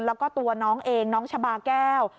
แล้วก็ตัวน้องเองน้องชะบาแก้ว